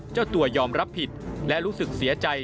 เจ้าตัวยอมรับผิดและรู้สึกเสียใจ